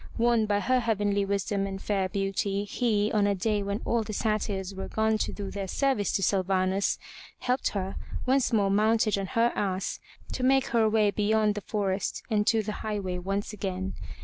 Won by her heavenly wisdom and fair beauty, he, on a day wheji all the Satyrs were gone to do their service to Sylvanus, helped her, once more mounted on her ass, to make her way beyond the forest and to the highway once again.